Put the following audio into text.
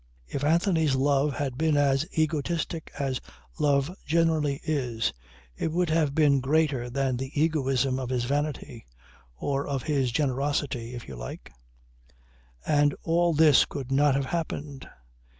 If Anthony's love had been as egoistic as love generally is, it would have been greater than the egoism of his vanity or of his generosity, if you like and all this could not have happened.